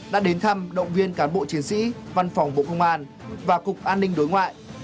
đã đến thăm động viên cán bộ chiến sĩ văn phòng bộ công an và cục an ninh đối ngoại